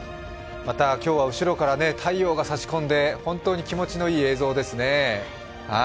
また今日は後ろから太陽が差し込んで、本当に気持ちのいい映像ですね。